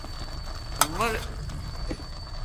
Umoretsuak eta hizkuntza arruntean idatziak dira gehienak.